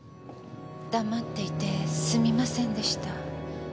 黙っていてすみませんでした。